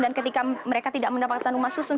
ketika mereka tidak mendapatkan rumah susun